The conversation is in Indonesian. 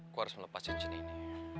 aku harus melepaskan cinta ini